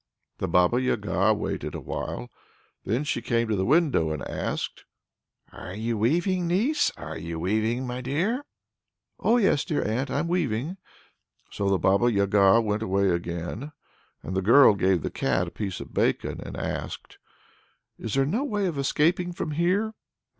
The Baba Yaga waited awhile; then she came to the window and asked: "Are you weaving, niece? are you weaving, my dear?" "Oh yes, dear aunt, I'm weaving." So the Baba Yaga went away again, and the girl gave the Cat a piece of bacon, and asked: "Is there no way of escaping from here?"